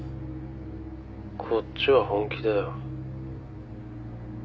「こっちは本気だよ」